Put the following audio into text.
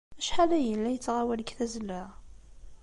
Acḥal ay yella yettɣawal deg tazzla?